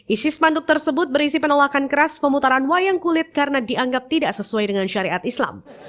isi spanduk tersebut berisi penolakan keras pemutaran wayang kulit karena dianggap tidak sesuai dengan syariat islam